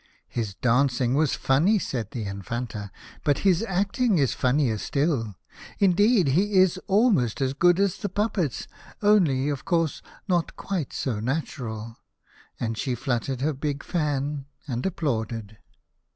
" 1 1 is dancing was funny," said the Infanta; " but his acting is funnier still. Indeed he is almost as good as the puppets, only of course not quite so natural." And she lluttered her big fan, and applauded.